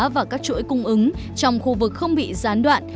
và các chuỗi cung ứng trong khu vực không bị gián đoạn